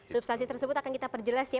substansi tersebut akan kita perjelas ya